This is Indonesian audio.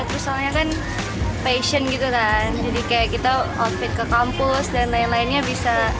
terus soalnya kan passion gitu kan jadi kayak kita outfit ke kampus dan lain lainnya bisa